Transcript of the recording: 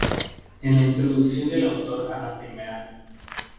En la introducción del autor a la primera.